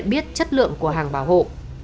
nhận biết chất lượng của hàng bảo hộ